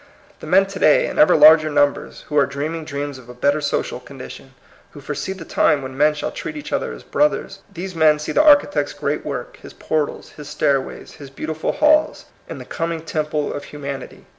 The men to day, in ever larger numbers, who are dreaming dreams of a better social con dition, who foresee the time when men shall treat each other as brothers, these men see the Architect's great work, his portals, his stairways, his beautiful halls, in the coming temple of humanity.